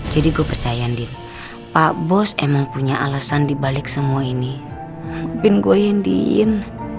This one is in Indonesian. jadi gue percaya andien pak bos emang punya alasan dibalik semua ini maafin gue ya andien